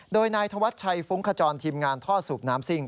โดยนายธวัชชัยฟุ้งขจรทีมงานท่อสูบน้ำซิ่ง